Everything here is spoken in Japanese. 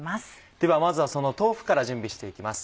ではまずはその豆腐から準備して行きます。